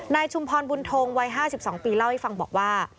ชุมพรบุญทงวัย๕๒ปีเล่าให้ฟังบอกว่า